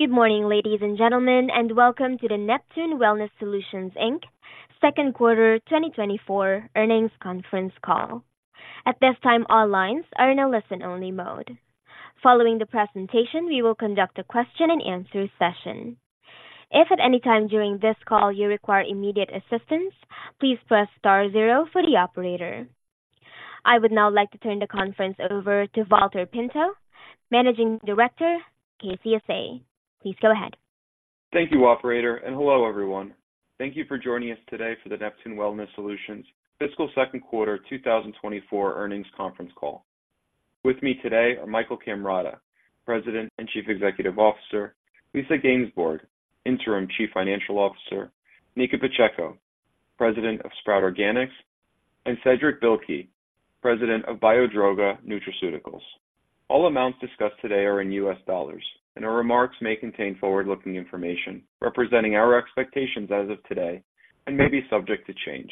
Good morning, ladies and gentlemen, and welcome to the Neptune Wellness Solutions, Inc. Second Quarter 2024 Earnings Conference Call. At this time, all lines are in a listen-only mode. Following the presentation, we will conduct a question-and-answer session. If at any time during this call you require immediate assistance, please press star zero for the operator. I would now like to turn the conference over to Valter Pinto, Managing Director, KCSA. Please go ahead. Thank you, operator, and hello everyone. Thank you for joining us today for the Neptune Wellness Solutions Fiscal Second Quarter 2024 Earnings Conference Call. With me today are Michael Cammarata, President and Chief Executive Officer, Lisa Gainsborg, Interim Chief Financial Officer, Nikki Pacheco, President of Sprout Organics, and Cedrick Billequey, President of Biodroga Nutraceuticals. All amounts discussed today are in U.S. dollars, and our remarks may contain forward-looking information representing our expectations as of today and may be subject to change.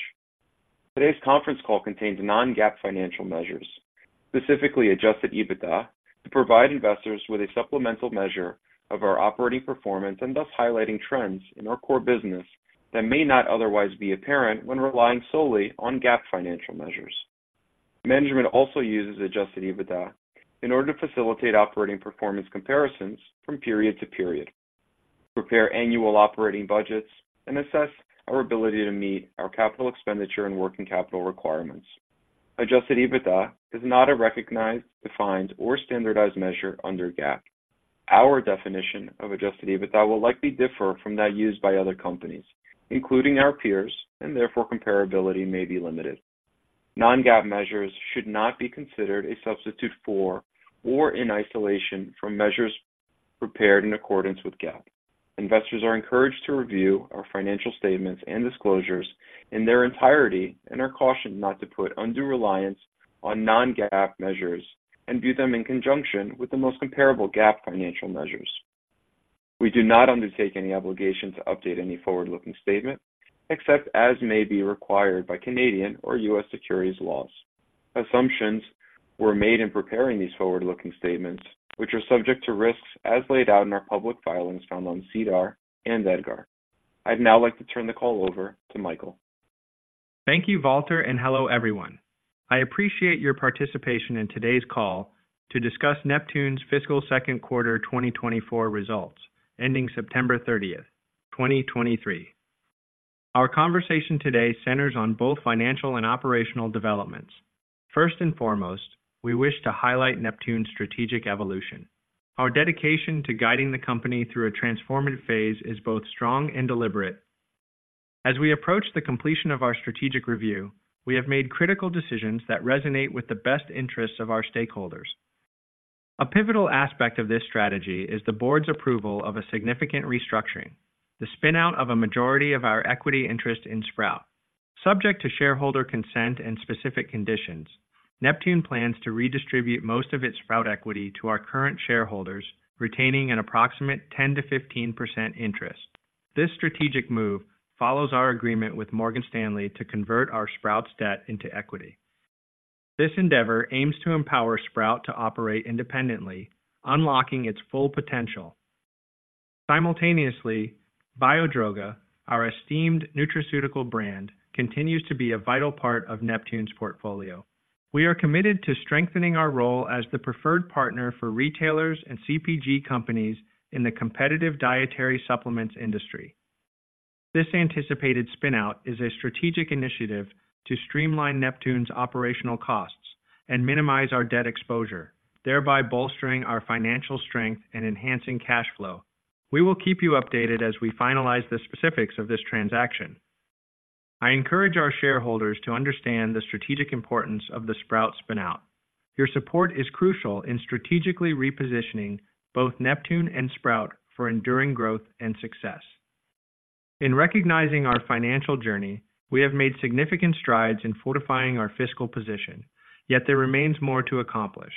Today's conference call contains non-GAAP financial measures, specifically adjusted EBITDA, to provide investors with a supplemental measure of our operating performance and thus highlighting trends in our core business that may not otherwise be apparent when relying solely on GAAP financial measures. Management also uses adjusted EBITDA in order to facilitate operating performance comparisons from period to period, prepare annual operating budgets, and assess our ability to meet our capital expenditure and working capital requirements. Adjusted EBITDA is not a recognized, defined, or standardized measure under GAAP. Our definition of adjusted EBITDA will likely differ from that used by other companies, including our peers, and therefore comparability may be limited. Non-GAAP measures should not be considered a substitute for or in isolation from measures prepared in accordance with GAAP. Investors are encouraged to review our financial statements and disclosures in their entirety and are cautioned not to put undue reliance on non-GAAP measures and view them in conjunction with the most comparable GAAP financial measures. We do not undertake any obligation to update any forward-looking statement, except as may be required by Canadian or U.S. securities laws. Assumptions were made in preparing these forward-looking statements, which are subject to risks as laid out in our public filings found on SEDAR and EDGAR. I'd now like to turn the call over to Michael. Thank you, Valter, and hello everyone. I appreciate your participation in today's call to discuss Neptune's Fiscal Second Quarter 2024 results ending September 30th, 2023. Our conversation today centers on both financial and operational developments. First and foremost, we wish to highlight Neptune's strategic evolution. Our dedication to guiding the company through a transformative phase is both strong and deliberate. As we approach the completion of our strategic review, we have made critical decisions that resonate with the best interests of our stakeholders. A pivotal aspect of this strategy is the board's approval of a significant restructuring, the spin-out of a majority of our equity interest in Sprout. Subject to shareholder consent and specific conditions, Neptune plans to redistribute most of its Sprout equity to our current shareholders, retaining an approximate 10%-15% interest. This strategic move follows our agreement with Morgan Stanley to convert our Sprout's debt into equity. This endeavor aims to empower Sprout to operate independently, unlocking its full potential. Simultaneously, Biodroga, our esteemed nutraceutical brand, continues to be a vital part of Neptune's portfolio. We are committed to strengthening our role as the preferred partner for retailers and CPG companies in the competitive dietary supplements industry. This anticipated spin-out is a strategic initiative to streamline Neptune's operational costs and minimize our debt exposure, thereby bolstering our financial strength and enhancing cash flow. We will keep you updated as we finalize the specifics of this transaction. I encourage our shareholders to understand the strategic importance of the Sprout spin-out. Your support is crucial in strategically repositioning both Neptune and Sprout for enduring growth and success. In recognizing our financial journey, we have made significant strides in fortifying our fiscal position, yet there remains more to accomplish.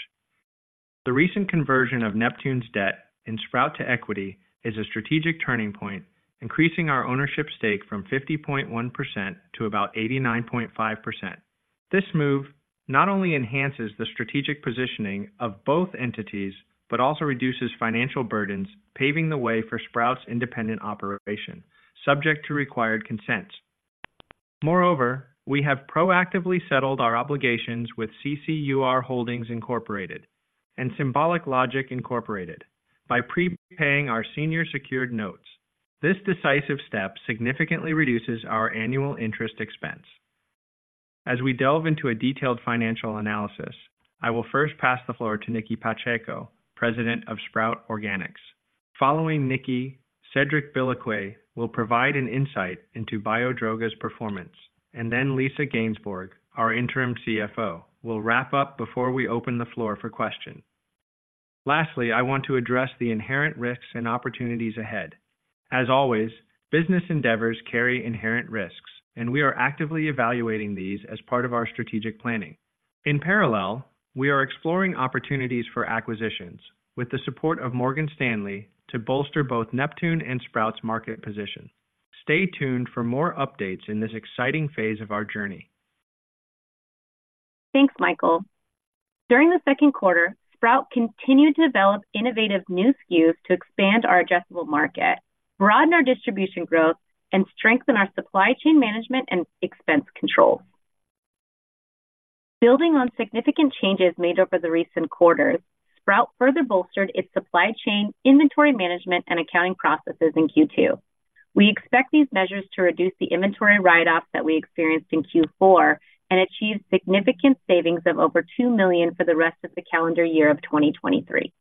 The recent conversion of Neptune's debt in Sprout to equity is a strategic turning point, increasing our ownership stake from 50.1% to about 89.5%. This move not only enhances the strategic positioning of both entities, but also reduces financial burdens, paving the way for Sprout's independent operation, subject to required consents. Moreover, we have proactively settled our obligations with CCUR Holdings Incorporated and Symbolic Logic Incorporated by prepaying our senior secured notes. This decisive step significantly reduces our annual interest expense. As we delve into a detailed financial analysis, I will first pass the floor to Nikki Pacheco, President of Sprout Organics. Following Nikki, Cedrick Billequey will provide an insight into Biodroga's performance, and then Lisa Gainsborg, our Interim CFO, will wrap up before we open the floor for questions. Lastly, I want to address the inherent risks and opportunities ahead. As always, business endeavors carry inherent risks, and we are actively evaluating these as part of our strategic planning. In parallel, we are exploring opportunities for acquisitions with the support of Morgan Stanley to bolster both Neptune and Sprout's market position. Stay tuned for more updates in this exciting phase of our journey. Thanks, Michael. During the second quarter, Sprout continued to develop innovative new SKUs to expand our addressable market, broaden our distribution growth, and strengthen our supply chain management and expense controls. Building on significant changes made over the recent quarters, Sprout further bolstered its supply chain, inventory management, and accounting processes in Q2. We expect these measures to reduce the inventory write-offs that we experienced in Q4 and achieve significant savings of over $2 million for the rest of the calendar year of 2023.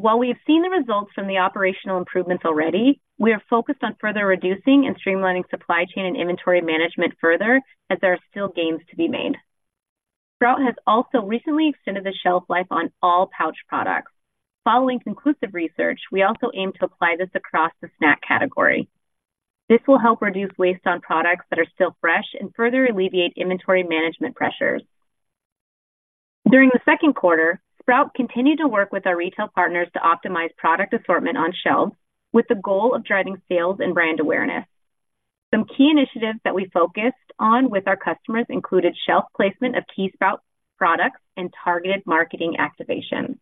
While we have seen the results from the operational improvements already, we are focused on further reducing and streamlining supply chain and inventory management further, as there are still gains to be made. Sprout has also recently extended the shelf life on all pouch products. Following conclusive research, we also aim to apply this across the snack category. This will help reduce waste on products that are still fresh and further alleviate inventory management pressures. During the second quarter, Sprout continued to work with our retail partners to optimize product assortment on shelves, with the goal of driving sales and brand awareness. Some key initiatives that we focused on with our customers included shelf placement of key Sprout products and targeted marketing activations.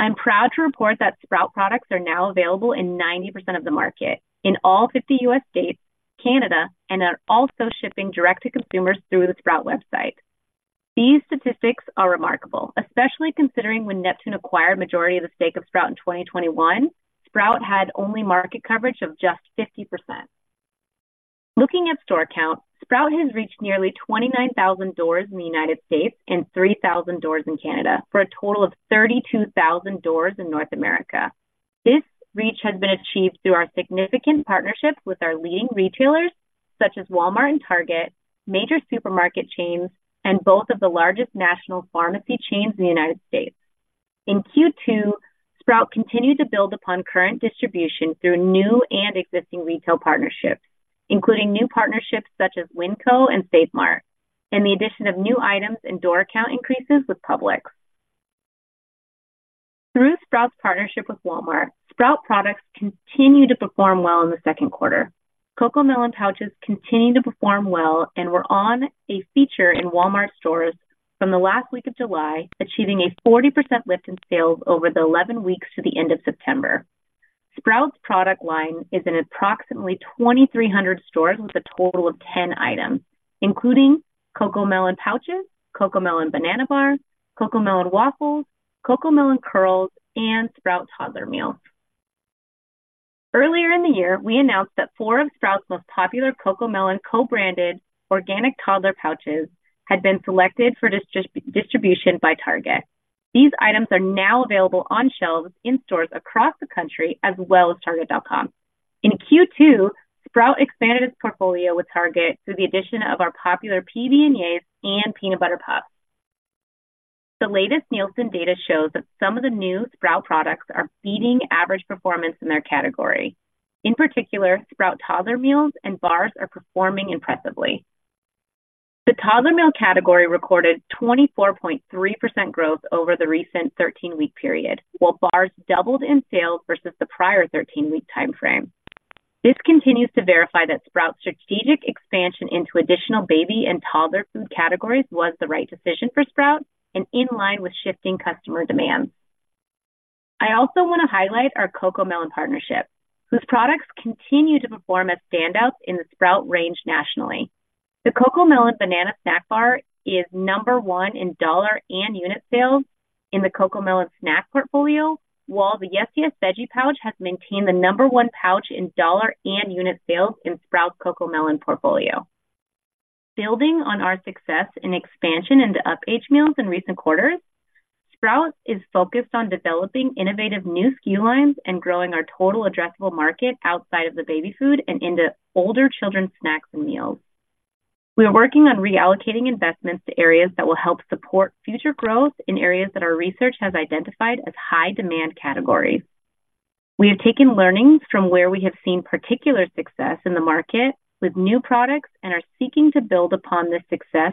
I'm proud to report that Sprout products are now available in 90% of the market, in all 50 U.S. states, Canada, and are also shipping direct to consumers through the Sprout website. These statistics are remarkable, especially considering when Neptune acquired majority of the stake of Sprout in 2021, Sprout had only market coverage of just 50%. Looking at store count, Sprout has reached nearly 29,000 doors in the United States and 3,000 doors in Canada, for a total of 32,000 doors in North America. This reach has been achieved through our significant partnerships with our leading retailers, such as Walmart and Target, major supermarket chains, and both of the largest national pharmacy chains in the United States. In Q2, Sprout continued to build upon current distribution through new and existing retail partnerships, including new partnerships such as WinCo and Save Mart, and the addition of new items and door count increases with Publix. Through Sprout's partnership with Walmart, Sprout products continued to perform well in the second quarter. CoComelon pouches continued to perform well and were on a feature in Walmart stores from the last week of July, achieving a 40% lift in sales over the 11 weeks to the end of September. Sprout's product line is in approximately 2,300 stores with a total of 10 items, including CoComelon pouches, CoComelon Banana Bars, CoComelon Waffles, CoComelon Curlz, and Sprout Toddler Meals. Earlier in the year, we announced that four of Sprout's most popular CoComelon co-branded organic toddler pouches had been selected for distribution by Target. These items are now available on shelves in stores across the country, as well as Target.com. In Q2, Sprout expanded its portfolio with Target through the addition of our popular PB & Yayz and Peanut Butter Puffs. The latest Nielsen data shows that some of the new Sprout products are beating average performance in their category. In particular, Sprout toddler meals and bars are performing impressively. The toddler meal category recorded 24.3% growth over the recent 13-week period, while bars doubled in sales versus the prior 13-week timeframe. This continues to verify that Sprout's strategic expansion into additional baby and toddler food categories was the right decision for Sprout and in line with shifting customer demands. I also want to highlight our CoComelon partnership, whose products continue to perform as standouts in the Sprout range nationally. The CoComelon Banana Snack Bar is number one in dollar and unit sales in the CoComelon snack portfolio, while the Yes, Yes, Veggies! pouch has maintained the number one pouch in dollar and unit sales in Sprout's CoComelon portfolio. Building on our success and expansion into up-age meals in recent quarters, Sprout is focused on developing innovative new SKU lines and growing our total addressable market outside of the baby food and into older children's snacks and meals. We are working on reallocating investments to areas that will help support future growth in areas that our research has identified as high-demand categories. We have taken learnings from where we have seen particular success in the market with new products and are seeking to build upon this success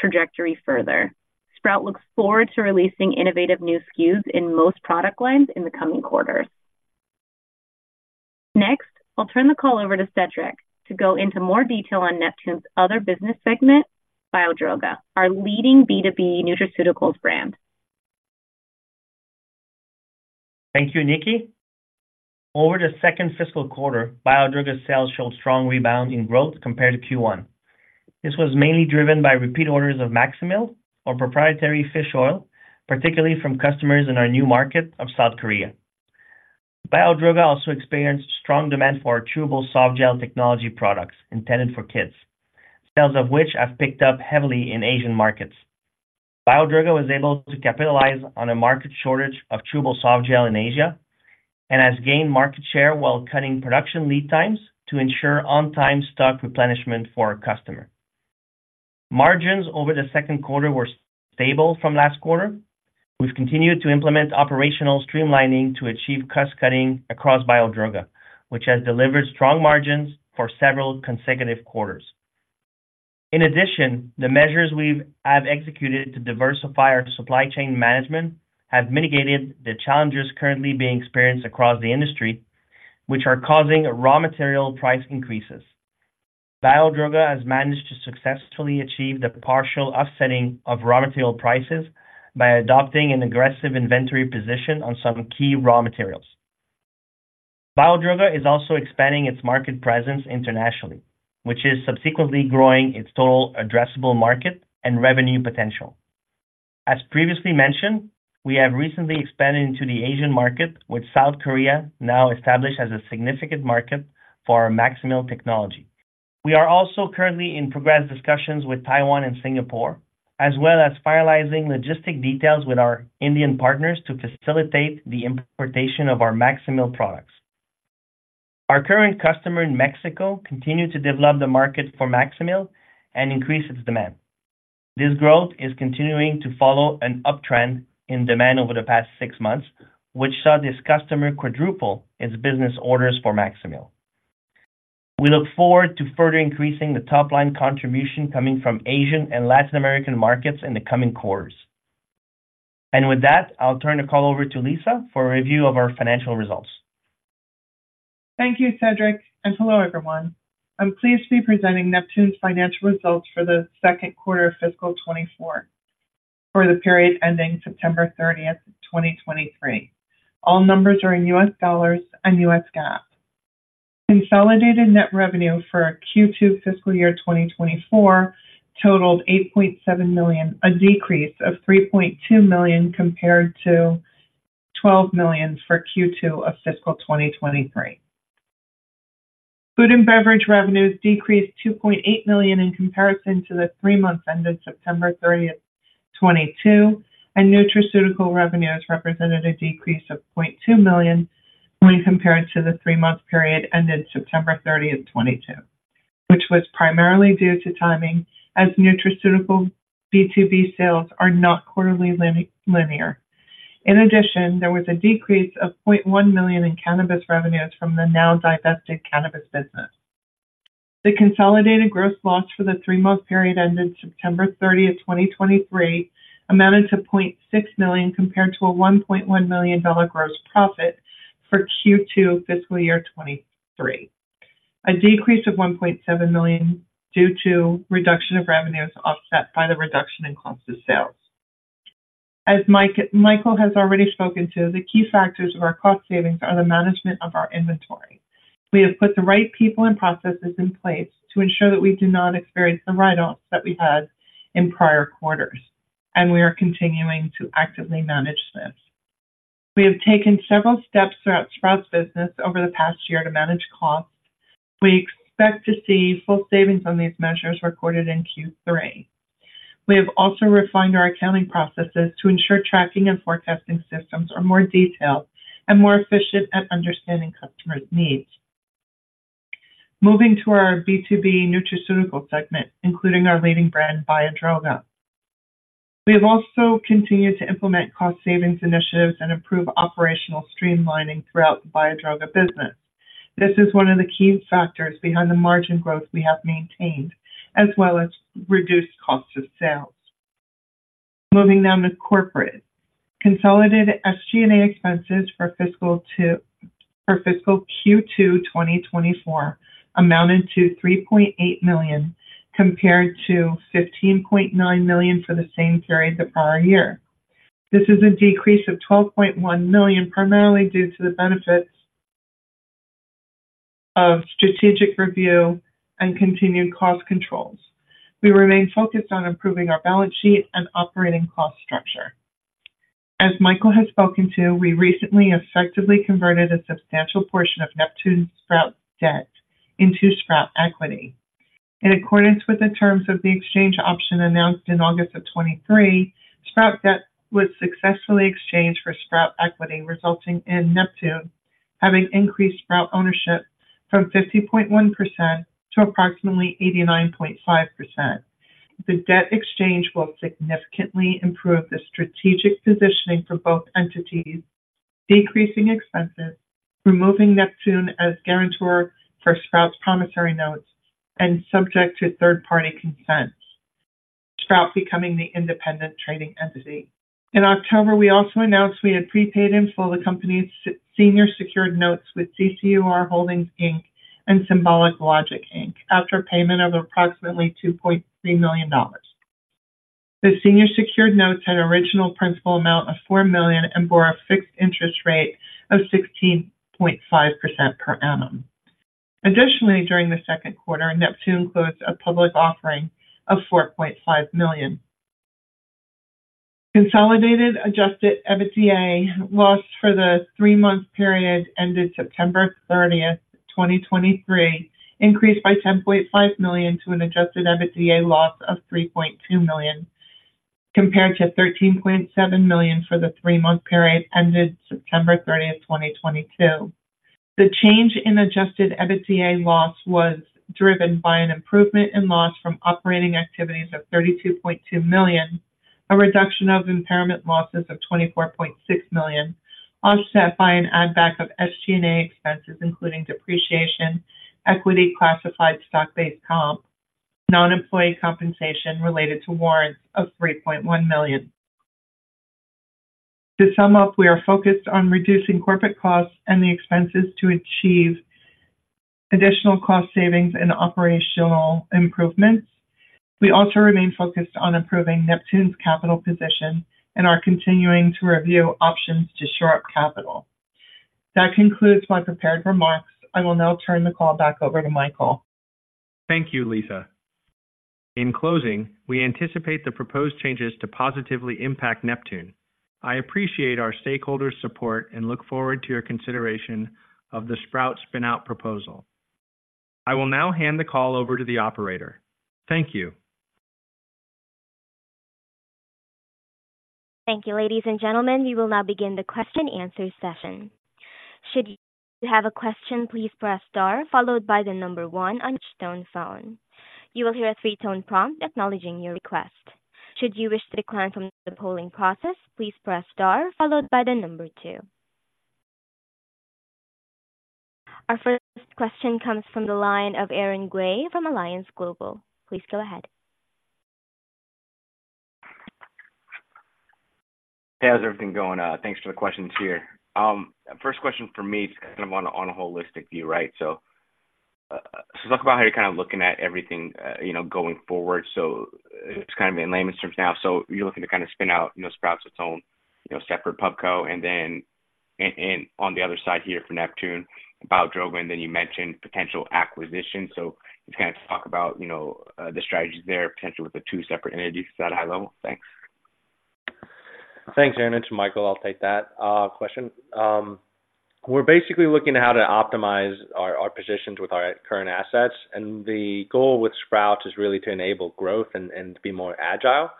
trajectory further. Sprout looks forward to releasing innovative new SKUs in most product lines in the coming quarters. Next, I'll turn the call over to Cedrick to go into more detail on Neptune's other business segment, Biodroga, our leading B2B nutraceuticals brand. Thank you, Nikki. Over the second fiscal quarter, Biodroga sales showed strong rebound in growth compared to Q1. This was mainly driven by repeat orders of MaxSimil, our proprietary fish oil, particularly from customers in our new market of South Korea. Biodroga also experienced strong demand for our chewable soft gel technology products intended for kids, sales of which have picked up heavily in Asian markets. Biodroga was able to capitalize on a market shortage of chewable soft gel in Asia and has gained market share while cutting production lead times to ensure on-time stock replenishment for our customer. Margins over the second quarter were stable from last quarter. We've continued to implement operational streamlining to achieve cost-cutting across Biodroga, which has delivered strong margins for several consecutive quarters. In addition, the measures we have executed to diversify our supply chain management have mitigated the challenges currently being experienced across the industry, which are causing raw material price increases. Biodroga has managed to successfully achieve the partial offsetting of raw material prices by adopting an aggressive inventory position on some key raw materials. Biodroga is also expanding its market presence internationally, which is subsequently growing its total addressable market and revenue potential. As previously mentioned, we have recently expanded into the Asian market, with South Korea now established as a significant market for our MaxSimil technology. We are also currently in progress discussions with Taiwan and Singapore, as well as finalizing logistics details with our Indian partners to facilitate the importation of our MaxSimil products. Our current customer in Mexico continue to develop the market for MaxSimil and increase its demand. This growth is continuing to follow an uptrend in demand over the past six months, which saw this customer quadruple its business orders for MaxSimil. We look forward to further increasing the top-line contribution coming from Asian and Latin American markets in the coming quarters. With that, I'll turn the call over to Lisa for a review of our financial results. Thank you, Cedrick, and hello, everyone. I'm pleased to be presenting Neptune's financial results for the second quarter of fiscal 2024, for the period ending September 30th, 2023. All numbers are in U.S. dollars and U.S. GAAP. Consolidated net revenue for Q2 fiscal year 2024 totaled $8.7 million, a decrease of $3.2 million compared to $12 million for Q2 of fiscal 2023. Food and beverage revenues decreased $2.8 million in comparison to the three months ended September 30th, 2022, and nutraceutical revenues represented a decrease of $0.2 million when compared to the three-month period ended September 30th, 2022, which was primarily due to timing, as nutraceutical B2B sales are not quarterly linear. In addition, there was a decrease of $0.1 million in cannabis revenues from the now divested cannabis business. The consolidated gross loss for the three-month period ended September 30th, 2023, amounted to $0.6 million, compared to a $1.1 million gross profit for Q2 fiscal year 2023. A decrease of $1.7 million due to reduction of revenues, offset by the reduction in cost of sales. As Mike, Michael has already spoken to, the key factors of our cost savings are the management of our inventory. We have put the right people and processes in place to ensure that we do not experience the write-offs that we had in prior quarters, and we are continuing to actively manage this. We have taken several steps throughout Sprout's business over the past year to manage costs. We expect to see full savings on these measures recorded in Q3. We have also refined our accounting processes to ensure tracking and forecasting systems are more detailed and more efficient at understanding customers' needs. Moving to our B2B nutraceutical segment, including our leading brand, Biodroga. We have also continued to implement cost savings initiatives and improve operational streamlining throughout the Biodroga business. This is one of the key factors behind the margin growth we have maintained, as well as reduced cost of sales. Moving down to corporate. Consolidated SG&A expenses for fiscal Q2 2024 amounted to $3.8 million, compared to $15.9 million for the same period the prior year. This is a decrease of $12.1 million, primarily due to the benefits of strategic review and continued cost controls. We remain focused on improving our balance sheet and operating cost structure. As Michael has spoken to, we recently effectively converted a substantial portion of Neptune's Sprout debt into Sprout equity. In accordance with the terms of the exchange option announced in August of 2023, Sprout debt was successfully exchanged for Sprout equity, resulting in Neptune having increased Sprout ownership from 50.1% to approximately 89.5%. The debt exchange will significantly improve the strategic positioning for both entities, decreasing expenses, removing Neptune as guarantor for Sprout's promissory notes, and subject to third-party consent, Sprout becoming the independent trading entity. In October, we also announced we had prepaid in full the company's senior secured notes with CCUR Holdings, Inc. and Symbolic Logic, Inc. after payment of approximately $2.3 million. The senior secured notes had an original principal amount of $4 million and bore a fixed interest rate of 16.5% per annum. Additionally, during the second quarter, Neptune closed a public offering of 4.5 million. Consolidated adjusted EBITDA loss for the three-month period ended September 30th, 2023, increased by $10.5 million to an adjusted EBITDA loss of $3.2 million, compared to $13.7 million for the three-month period ended September 30th, 2022. The change in adjusted EBITDA loss was driven by an improvement in loss from operating activities of $32.2 million, a reduction of impairment losses of $24.6 million, offset by an add back of SG&A expenses, including depreciation, equity-classified stock-based comp, non-employee compensation related to warrants of $3.1 million. To sum up, we are focused on reducing corporate costs and the expenses to achieve additional cost savings and operational improvements. We also remain focused on improving Neptune's capital position and are continuing to review options to shore up capital. That concludes my prepared remarks. I will now turn the call back over to Michael. Thank you, Lisa. In closing, we anticipate the proposed changes to positively impact Neptune. I appreciate our stakeholders' support and look forward to your consideration of the Sprout spin-out proposal. I will now hand the call over to the operator. Thank you. Thank you, ladies and gentlemen. We will now begin the question and answer session. Should you have a question, please press star followed by the number one on your touchtone phone. You will hear a three-tone prompt acknowledging your request. Should you wish to decline from the polling process, please press star followed by the number two. Our first question comes from the line of Aaron Gray from Alliance Global. Please go ahead. Hey, how's everything going? Thanks for the questions here. First question for me is kind of on a holistic view, right? So talk about how you're kind of looking at everything, you know, going forward. So it's kind of in layman's terms now. So you're looking to kind of spin out, you know, Sprout's its own, you know, separate pub co. And then on the other side here for Neptune, Biodroga, and then you mentioned potential acquisition. So just kind of talk about, you know, the strategies there, potentially with the two separate entities at a high level. Thanks. Thanks, Aaron. It's Michael. I'll take that question. We're basically looking at how to optimize our positions with our current assets, and the goal with Sprout is really to enable growth and be more agile,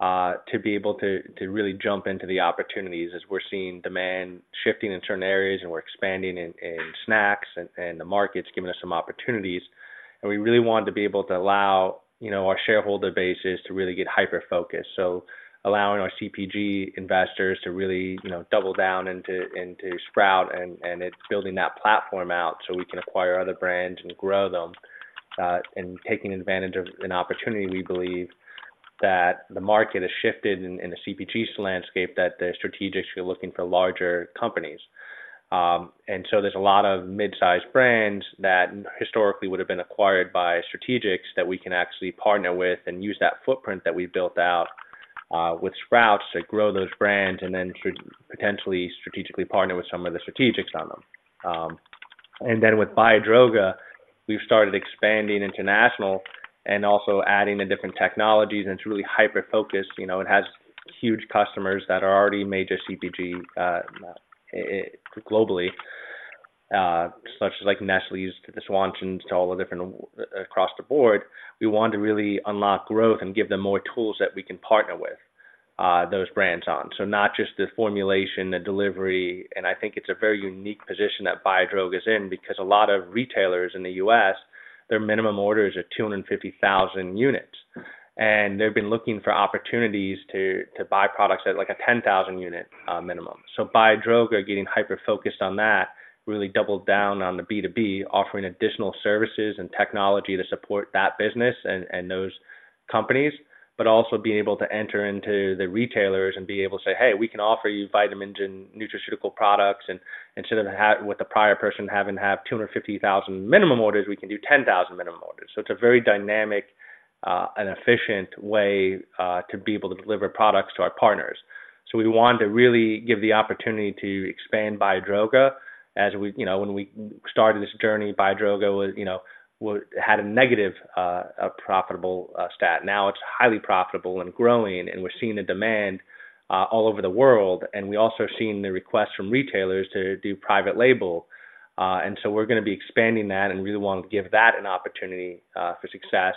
to be able to really jump into the opportunities as we're seeing demand shifting in certain areas, and we're expanding in snacks and the market's giving us some opportunities. And we really wanted to be able to allow, you know, our shareholder bases to really get hyper-focused. So allowing our CPG investors to really, you know, double down into Sprout and it's building that platform out so we can acquire other brands and grow them. And taking advantage of an opportunity, we believe that the market has shifted in the CPG landscape, that the strategics are looking for larger companies. And so there's a lot of mid-sized brands that historically would have been acquired by strategics that we can actually partner with and use that footprint that we've built out, with Sprout to grow those brands and then potentially strategically partner with some of the strategics on them. And then with Biodroga, we've started expanding international and also adding the different technologies, and it's really hyper-focused. You know, it has huge customers that are already major CPG, globally, such as like Nestlé, Swanson, to all the different across the board. We want to really unlock growth and give them more tools that we can partner with, those brands on. So not just the formulation, the delivery, and I think it's a very unique position that Biodroga is in because a lot of retailers in the U.S., their minimum orders are 250,000 units, and they've been looking for opportunities to buy products at, like, a 10,000 unit minimum. So Biodroga, getting hyper-focused on that, really doubled down on the B2B, offering additional services and technology to support that business and those companies, but also being able to enter into the retailers and be able to say, "Hey, we can offer you vitamins and nutraceutical products." And instead of have, with the prior person having to have 250,000 minimum orders, we can do 10,000 minimum orders. So it's a very dynamic and efficient way to be able to deliver products to our partners. So we want to really give the opportunity to expand Biodroga. As we, you know, when we started this journey, Biodroga was, you know, had a negative profitable stat. Now it's highly profitable and growing, and we're seeing the demand all over the world, and we also are seeing the request from retailers to do private label. And so we're going to be expanding that and really want to give that an opportunity for success.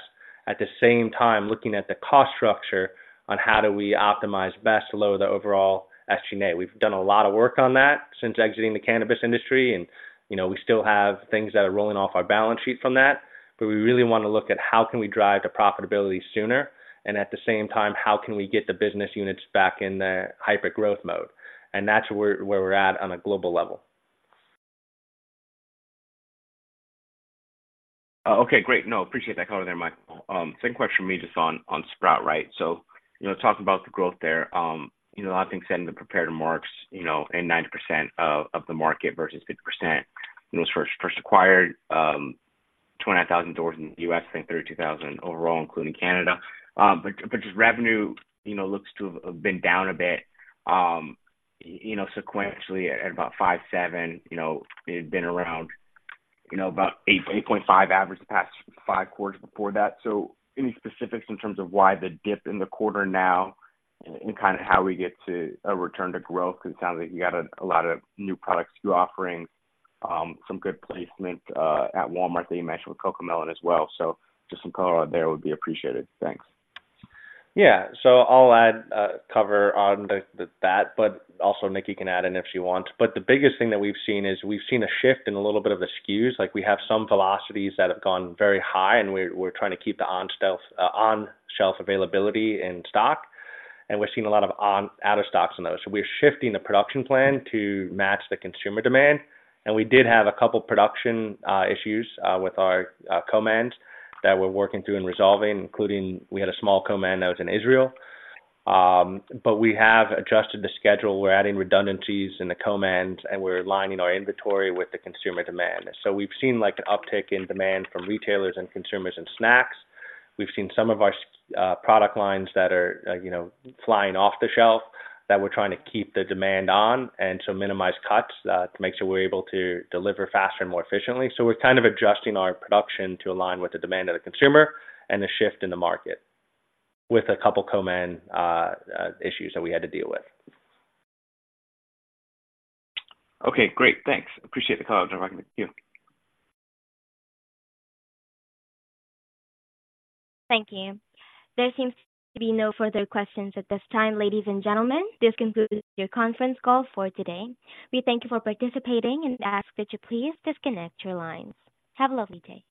At the same time, looking at the cost structure on how do we optimize best to lower the overall SG&A. We've done a lot of work on that since exiting the cannabis industry and, you know, we still have things that are rolling off our balance sheet from that, but we really want to look at how can we drive the profitability sooner and at the same time, how can we get the business units back in the hyper-growth mode? And that's where we're at on a global level. Okay, great. No, appreciate that color there, Michael. Second question for me, just on, on Sprout, right? So, you know, talking about the growth there, you know, a lot of things said in the prepared remarks, you know, and 90% of, of the market versus 50%. When it was first, first acquired, 29,000 doors in the U.S., I think 32,000 overall, including Canada. But, but just revenue, you know, looks to have been down a bit, you know, sequentially at about $5.7. You know, it had been around, you know, about $8-$8.5 average the past $5.25 before that. So any specifics in terms of why the dip in the quarter now and kind of how we get to a return to growth? Because it sounds like you got a lot of new products, new offerings, some good placement at Walmart that you mentioned with CoComelon as well. So just some color there would be appreciated. Thanks. Yeah. So I'll add cover on that, but also Nikki can add in if she wants. But the biggest thing that we've seen is we've seen a shift in a little bit of the SKUs. Like we have some velocities that have gone very high, and we're trying to keep the on-shelf availability in stock, and we're seeing a lot of out-of-stocks on those. So we're shifting the production plan to match the consumer demand. And we did have a couple production issues with our co-mans that we're working through and resolving, including we had a small co-man that was in Israel. But we have adjusted the schedule. We're adding redundancies in the co-mans, and we're aligning our inventory with the consumer demand. So we've seen, like, an uptick in demand from retailers and consumers in snacks. We've seen some of our product lines that are, you know, flying off the shelf that we're trying to keep the demand on and so minimize cuts to make sure we're able to deliver faster and more efficiently. So we're kind of adjusting our production to align with the demand of the consumer and the shift in the market with a couple co-man issues that we had to deal with. Okay, great. Thanks. Appreciate the call. Thank you. Thank you. There seems to be no further questions at this time, ladies and gentlemen. This concludes your conference call for today. We thank you for participating and ask that you please disconnect your lines. Have a lovely day.